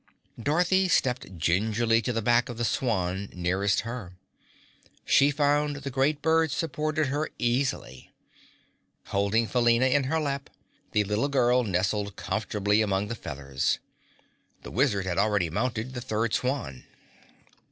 Dorothy stepped gingerly to the back of the swan nearest her. She found the great bird supported her easily. Holding Felina in her lap, the little girl nestled comfortably among the feathers. The Wizard had already mounted the third swan.